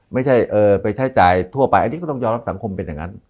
ไม่ใช่ไปใช้จ่ายทั่วไปอันนี้ก็ต้องยอมรับสังคมเป็นอย่างนั้น